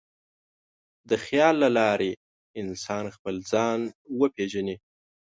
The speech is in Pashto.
د خیال له لارې انسان خپل ځان وپېژني.